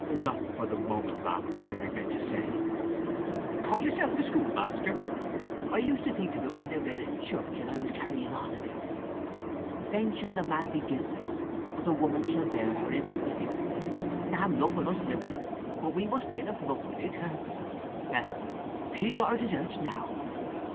"Not for the moment, ma'am, I regret to say." "Call yourself a schoolmaster! I used to think o't when they read it in church, and I was carrying on a bit. 'Then shall the man be guiltless; but the woman shall bear her iniquity.' Damn rough on us women; but we must grin and put up wi' it! Haw haw! Well; she's got her deserts now."